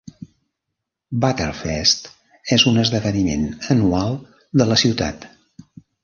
Butterfest és un esdeveniment anual de la ciutat.